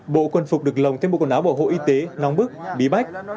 bộ quân phục được lồng thêm bộ quần áo bảo hộ y tế nóng bức bí bách